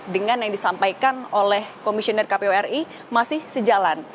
dengan yang disampaikan oleh komisioner kpu ri masih sejalan